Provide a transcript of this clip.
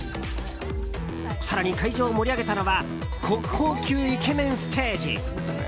更に会場を盛り上げたのは国宝級イケメンステージ！